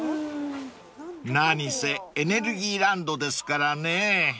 ［何せエネルギーランドですからね］